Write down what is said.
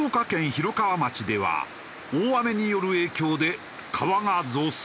広川町では大雨による影響で川が増水。